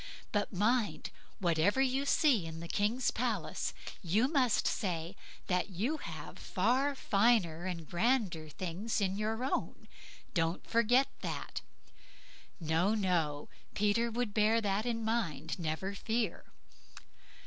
But mind, whatever you see in the king's palace, you must say you have far finer and grander things of your own. Don't forget that." No, no, Peter would bear that in mind, never fear.